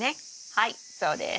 はいそうです。